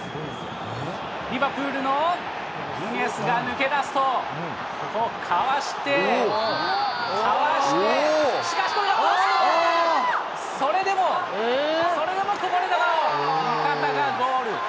リバプールのディフェンスが抜け出すと、こうかわして、かわして、それでも、それでもこぼれ球を味方がゴール。